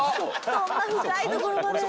そんな深いところまで。